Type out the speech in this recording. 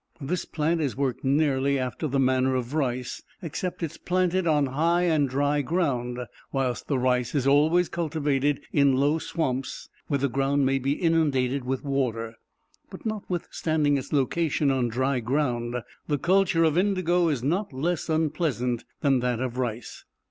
This plant is worked nearly after the manner of rice, except that it is planted on high and dry ground, whilst the rice is always cultivated in low swamps, where the ground may be inundated with water; but notwithstanding its location on dry ground, the culture of indigo is not less unpleasant than that of rice.